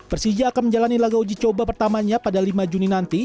persija akan menjalani laga uji coba pertamanya pada lima juni nanti